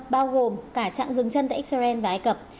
bao gồm cả chặn dừng chân tại israel và ai cập